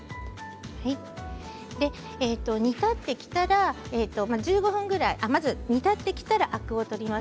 煮立ってきたら１５分ぐらいまず煮たってきたら、かぶをアクを取ります。